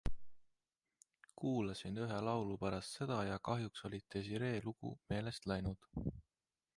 Kuulasin ühe laulu pärast seda ja kahjuks oli Desiree lugu meelest läinud.